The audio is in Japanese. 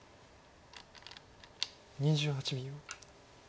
２８秒。